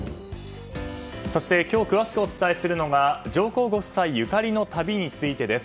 そして今日詳しくお伝えするのが上皇ご夫妻ゆかりの旅についてです。